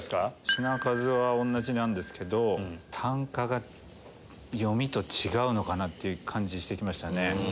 品数は同じなんですけど単価が読みと違うのかなって感じしてきましたね。